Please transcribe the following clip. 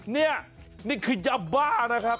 นี่นี่คือยาบ้านะครับ